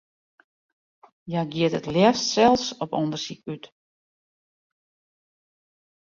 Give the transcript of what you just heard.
Hja giet it leafst sels op ûndersyk út.